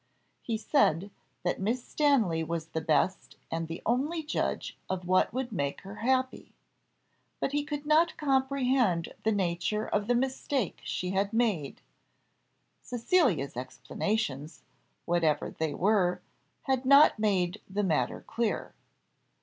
He said, that Miss Stanley was the best and the only judge of what would make her happy; but he could not comprehend the nature of the mistake she had made; Cecilia's explanations, whatever they were, had not made the matter clear.